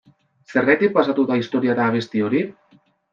Zergatik pasatu da historiara abesti hori?